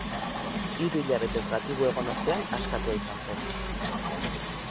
Hiru hilabetez gatibu egon ostean askatua izan zen.